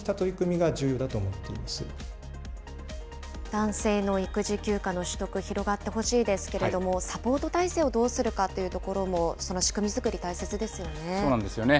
男性の育児休暇の取得、広がってほしいですけれども、サポート体制をどうするかというところもその仕組み作り、大切でそうなんですよね。